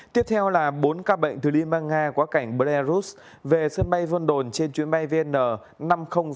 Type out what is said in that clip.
tiếp theo là bốn ca bệnh từ liên bang nga qua cảnh belarus về sân bay vân đồn trên chuyến bay vn năm nghìn sáu mươi hai